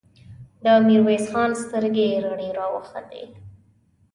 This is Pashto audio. د ميرويس خان سترګې رډې راوختې!